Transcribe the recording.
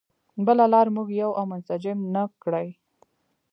بله لار موږ یو او منسجم نه کړي.